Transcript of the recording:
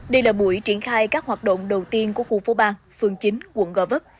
đây là buổi triển khai các hoạt động đầu tiên của khu phố ba phường chín quận gò vấp